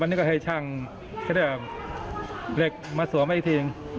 วันนี้ก็ให้ช่างเครื่องเหล็กมาสวมให้อีกที